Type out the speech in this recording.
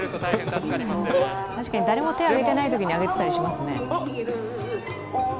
確かに誰も手を上げてないときに上げてたりしますね。